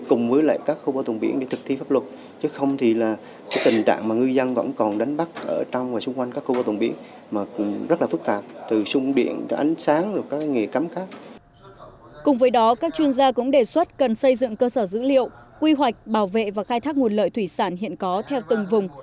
cùng với đó các chuyên gia cũng đề xuất cần xây dựng cơ sở dữ liệu quy hoạch bảo vệ và khai thác nguồn lợi thủy sản hiện có theo từng vùng